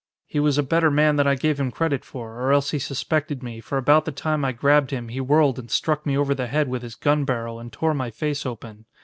"He was a better man than I gave him credit for, or else he suspected me, for about the time I grabbed him he whirled and struck me over the head with his gun barrel and tore my face open.